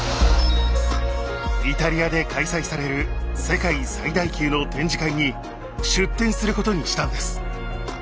イタリアで開催される世界最大級の展示会に出展することにしたんです。